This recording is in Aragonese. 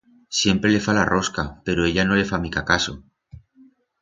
Siempre le fa la rosca, pero ella no le fa mica caso.